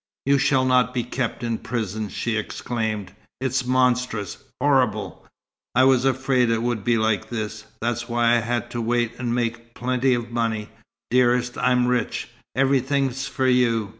"You shall not be kept in prison!" she exclaimed. "It's monstrous horrible! I was afraid it would be like this. That's why I had to wait and make plenty of money. Dearest, I'm rich. Everything's for you.